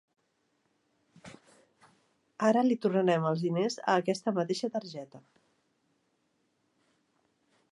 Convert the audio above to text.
Ara li tornarem els diners a aquesta mateixa targeta.